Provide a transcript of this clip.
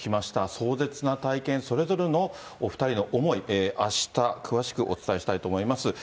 壮絶な体験、それぞれのお２人の思い、あした詳しくお伝えしたいと思います。